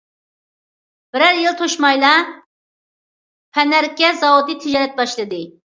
بىرەر يىل توشمايلا پەنەركە زاۋۇتى تىجارەت باشلىدى.